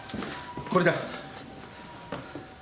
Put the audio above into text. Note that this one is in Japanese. これだ。